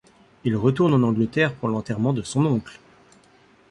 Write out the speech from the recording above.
Il retourne en Angleterre pour l'enterrement de son oncle.